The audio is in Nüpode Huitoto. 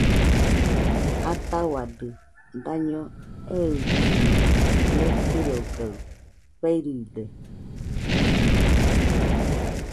Atahuadɨ daño eillɨmo ñekɨrogaɨ ferride.